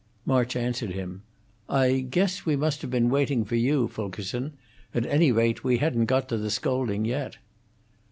March answered him. "I guess we must have been waiting for you, Fulkerson. At any rate, we hadn't got to the scolding yet."